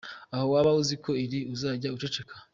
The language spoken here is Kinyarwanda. Aho waba uzi ko riri uzajye uceceka.